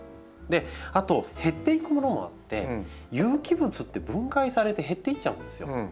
あと減っていくものもあって有機物って分解されて減っていっちゃうんですよ。